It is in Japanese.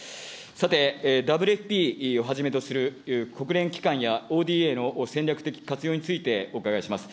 さて、ＷＦＰをはじめとする、国連機関やＯＤＡの戦略的活用についてお伺いします。